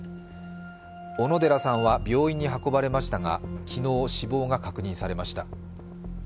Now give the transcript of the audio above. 小野寺さんは病院に運ばれましたが、昨日死亡が確認されました。